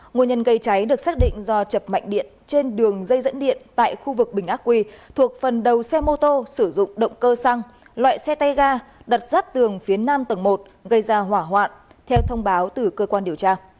nguồn nhân gây cháy được xác định do chập mạnh điện trên đường dây dẫn điện tại khu vực bình ác quỳ thuộc phần đầu xe mô tô sử dụng động cơ xăng loại xe tay ga đặt rắt tường phía nam tầng một gây ra hỏa hoạn theo thông báo từ cơ quan điều tra